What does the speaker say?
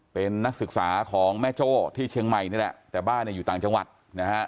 เป็นนักศึกษาของแม่โจ้ที่เชียงใหม่นี่แหละแต่บ้านเนี่ยอยู่ต่างจังหวัดนะฮะ